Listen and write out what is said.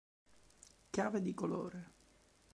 Chiave di colore;